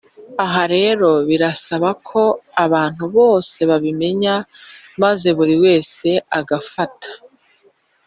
aha rero birasaba ko abantu bose babimenya, maze buri wese agafata